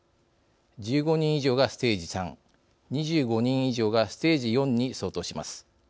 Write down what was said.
１５人以上がステージ３２５人以上がステージ４に相当します。